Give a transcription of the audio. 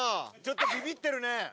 ちょっとビビってるね。